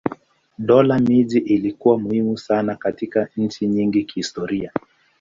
Dola miji ilikuwa muhimu sana katika nchi nyingi kihistoria.